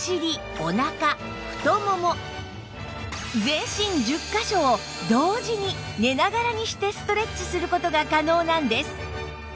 全身１０カ所を同時に寝ながらにしてストレッチする事が可能なんです